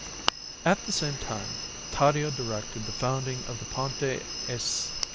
At the same time Taddeo directed the founding of the Ponte a S.